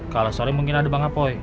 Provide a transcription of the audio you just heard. kalau sorry mungkin ada bang apoy